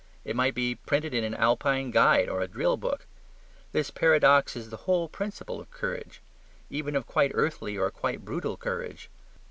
It might be printed in an Alpine guide or a drill book. This paradox is the whole principle of courage; even of quite earthly or quite brutal courage.